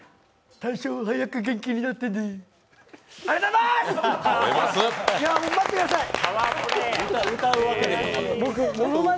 大昇、早く元気になってね。